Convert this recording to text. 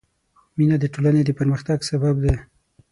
مینه د ټولنې پرمختګ سبب دی.